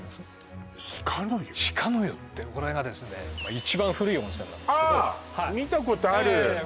鹿の湯ってこれがですね一番古い温泉なんですけどああ見たことあるええ